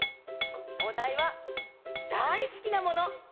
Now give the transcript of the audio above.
おだいはだいすきなもの。